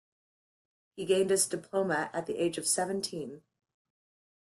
He gained his diploma at the age of seventeen.